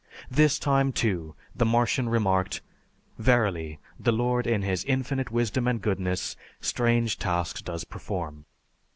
This time, too, the Martian remarked, "Verily, the Lord in His infinite wisdom and goodness strange tasks does perform."